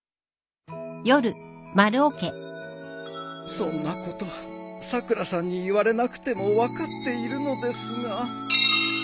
そんなことさくらさんに言われなくても分かっているのですが。